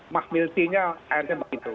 mahmiltinya akhirnya begitu